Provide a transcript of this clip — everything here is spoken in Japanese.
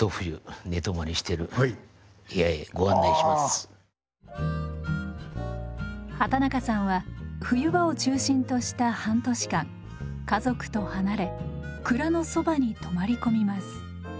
では畠中さんは冬場を中心とした半年間家族と離れ蔵のそばに泊まり込みます。